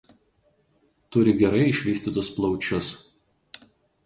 Turi gerai išvystytus plaučius.